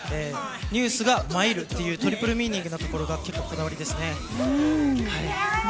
ニュースがまいるというトリプルミーニングなところが結構、こだわりですね。